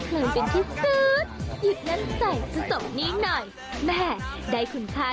ต่อมันไปอีกทีไม่มีใครกว่า